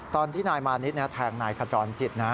ตอนที่นายมานิดแทงนายขจรจิตนะ